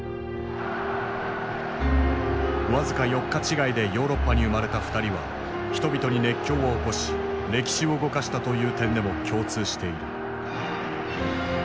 僅か４日違いでヨーロッパに生まれた二人は人々に熱狂を起こし歴史を動かしたという点でも共通している。